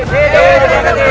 hei hidup beragami